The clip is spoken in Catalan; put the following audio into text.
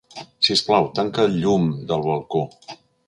Sisplau, tanca el llum del balcó.